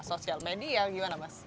sosial media gimana mas